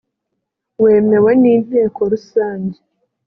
wemewe n inteko rusange